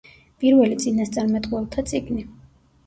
პირველი წინასწარმეტყველთა წიგნი.